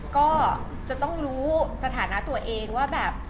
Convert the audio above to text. ก็จะต้องรู้สถานะตัวเองว่าแบบ